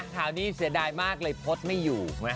ข่าวนี้เสียดายมากเลยโพสต์ไม่อยู่